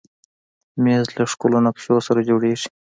مېز له ښکلو نقشو سره جوړېږي.